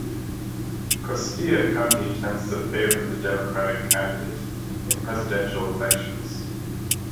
Costilla County tends to favor the Democratic candidate in Presidential elections.